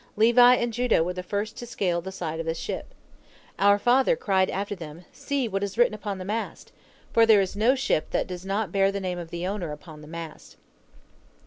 Levi and Judah were the first to scale the side of the ship. Our father cried after them, 'See what is written upon the mast,' for there is no ship that does not bear the name of the owner upon the mast.